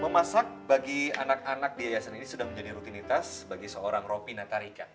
memasak bagi anak anak di yayasan ini sudah menjadi rutinitas bagi seorang ropi natarika